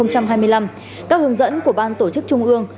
các hướng dẫn của ban tổ chức trung ương